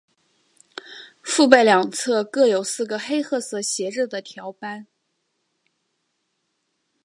腹背两侧各有四个黑褐色斜着的条斑。